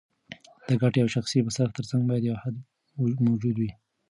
د ګټې او شخصي مصرف ترمنځ باید یو حد موجود وي.